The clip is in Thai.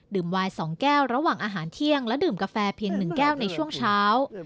วาย๒แก้วระหว่างอาหารเที่ยงและดื่มกาแฟเพียง๑แก้วในช่วงเช้า